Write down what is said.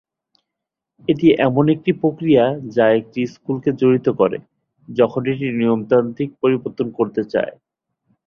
এটি এমন একটি প্রক্রিয়া যা একটি স্কুলকে জড়িত করে যখন এটি নিয়মতান্ত্রিক পরিবর্তন করতে চায়।